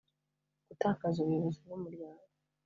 gutakaza ubuyobozi bw umuryango